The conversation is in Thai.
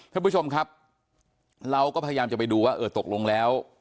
ท่านผู้ชมครับเราก็พยายามจะไปดูว่าเออตกลงแล้ว